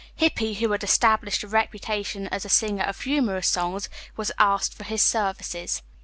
Hippy, who had established a reputation as a singer of humorous songs, was asked for his services.